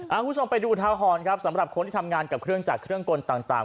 คุณผู้ชมไปดูอุทาหรณ์ครับสำหรับคนที่ทำงานกับเครื่องจักรเครื่องกลต่าง